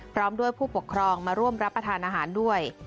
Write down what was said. พร้อมด้วยผู้ปกครองมาร่วมรับประทานอาหารด้วย